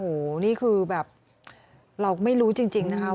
โหนี่คือแบบเราไม่รู้จริงนะคะว่ามัน